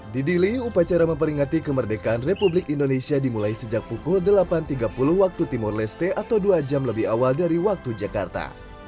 di dili upacara memperingati kemerdekaan republik indonesia dimulai sejak pukul delapan tiga puluh waktu timur leste atau dua jam lebih awal dari waktu jakarta